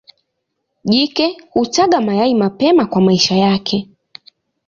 Jike hutaga mayai mapema kwa maisha yake.